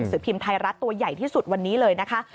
พิมพ์ไทยรัฐตัวใหญ่ที่สุดวันนี้เลยนะคะ